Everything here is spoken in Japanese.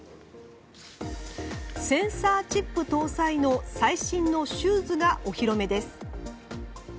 センサーチップ搭載の最新のシューズがお披露目です。